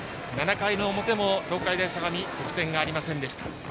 ７回の表も東海大相模得点がありませんでした。